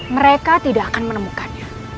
mereka tidak akan menemukannya